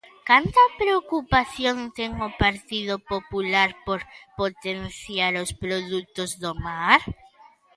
¿Canta preocupación ten o Partido Popular por potenciar os produtos do mar?